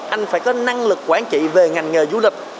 anh phải có năng lực quản trị về ngành nghề du lịch